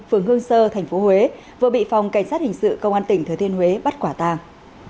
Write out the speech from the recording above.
phường hương sơ tp huế vừa bị phòng cảnh sát hình sự công an tỉnh thừa thiên huế bắt quả tàng